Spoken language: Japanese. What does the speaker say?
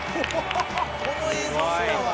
「この映像見たわ」